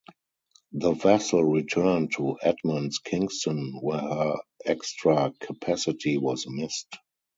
The vessel returned to Edmonds- Kingston where her extra capacity was missed.